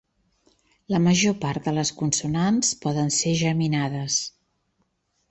La major part de les consonants poden ser geminades.